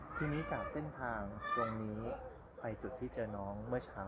ทีนี้จากเส้นทางตรงนี้ไปจุดที่เจอน้องเมื่อเช้า